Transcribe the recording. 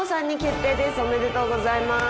おめでとうございます！